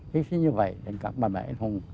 thí sinh như vậy đến các bà bà anh hùng